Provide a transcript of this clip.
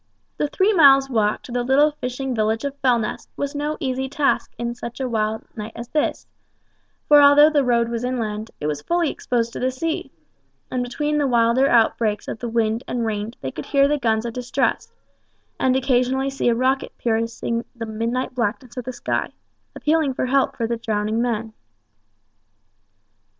The three miles' walk to the little fishing village of Fellness was no easy task such a wild night as this, for although the road was inland, it was fully exposed to the sea, and between the wilder outbreaks of the wind and rain they could hear the guns of distress, and occasionally see a rocket piercing the midnight blackness of the sky, appealing for help for the drowning men.